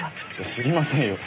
知りませんよ。